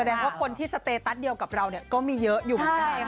แสดงความคนที่สเตตัสเทอดีกับเราก็มีเยอะอยู่